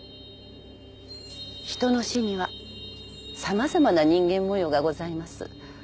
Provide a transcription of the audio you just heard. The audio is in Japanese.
人の死には様々な人間模様がございます。